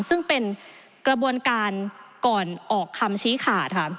ซึ่งเป็นกระบวนการก่อนออกคำชี้ขาดค่ะ